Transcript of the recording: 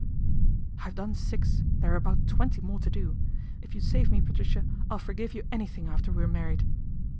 " I've done six, there are about twenty more to do. If you save me, Patricia, I'll forgive you any thing after we're married."